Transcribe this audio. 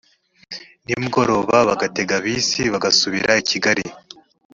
nimugoroba bagatega bisi bagasubira i kigali